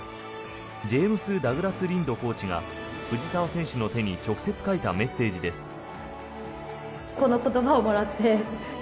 ジェームス・ダグラス・リンドコーチが藤澤選手の手に直接書いたメッセージです。